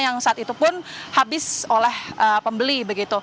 yang saat itu pun habis oleh pembeli